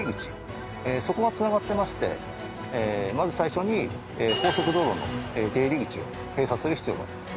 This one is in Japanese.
そこが繋がってましてまず最初に高速道路の出入り口を閉鎖する必要があります。